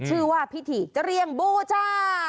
ชื่อว่าพิธีเจื้อเวียงบูธ่า